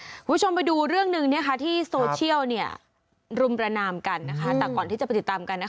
คุณผู้ชมไปดูเรื่องหนึ่งที่โซเชียลรุมประนามกันนะคะแต่ก่อนที่จะไปติดตามกันนะคะ